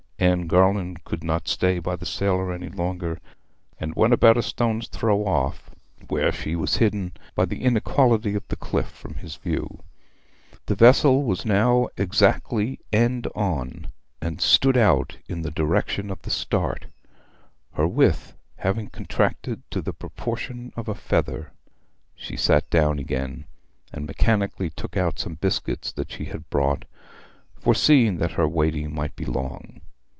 Anne Garland could not stay by the sailor any longer, and went about a stone's throw off, where she was hidden by the inequality of the cliff from his view. The vessel was now exactly end on, and stood out in the direction of the Start, her width having contracted to the proportion of a feather. She sat down again, and mechanically took out some biscuits that she had brought, foreseeing that her waiting might be long.